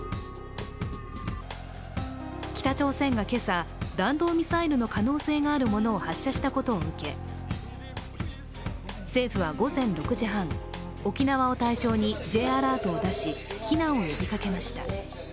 北朝鮮が今朝、弾道ミサイルの可能性があるものを発射したことを受け政府は午前６時半、沖縄を対象にＪアラートをだし、避難を呼びかけました。